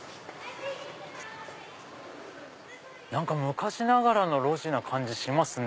昔ながらの路地な感じしますね